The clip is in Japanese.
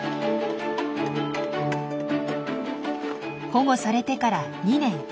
保護されてから２年。